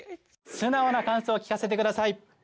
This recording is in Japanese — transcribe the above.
素直な感想を聞かせてください。